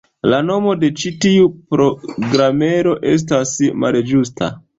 La nomo de ĉi tiu programero estas malĝusta.